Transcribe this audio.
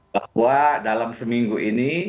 bahwa dalam seminggu ini